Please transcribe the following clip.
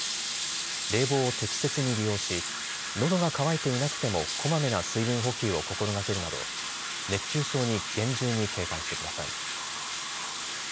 冷房を適切に利用しのどが乾いていなくてもこまめな水分補給を心がけるなど熱中症に厳重に警戒してください。